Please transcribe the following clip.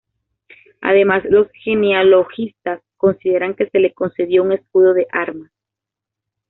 Además, los genealogistas consideran que se le concedió un escudo de armas.